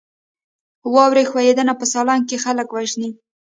واورې ښویدنه په سالنګ کې خلک وژني؟